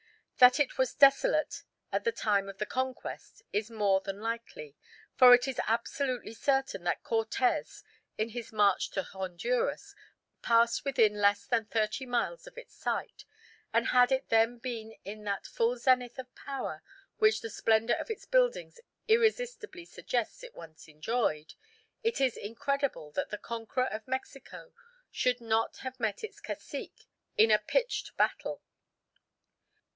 That it was desolate at the time of the Conquest is more than likely, for it is absolutely certain that Cortes in his march to Honduras passed within less than thirty miles of its site; and had it then been in that full zenith of power which the splendour of its buildings irresistibly suggests it once enjoyed, it is incredible that the Conqueror of Mexico should not have met its cacique in a pitched battle.